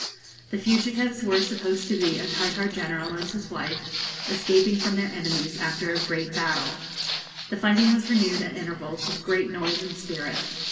The fugitives were supposed to be a Tartar general and his wife, escaping from their enemies after a great battle. The fighting was renewed at intervals with great noise and spirit.